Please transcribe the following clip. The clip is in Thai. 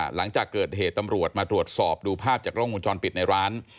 หลังจากเกิดเหตุตำรวจมาตรวจสอบดูภาพจากกล้องวงจรปิดในร้าน